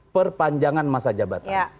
perpanjangan masa jabatan